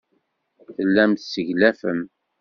Tellam tesseglafem.